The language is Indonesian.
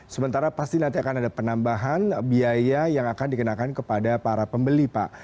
sementara pasti nanti akan ada penambahan biaya yang akan dikenakan kepada para pembeli pak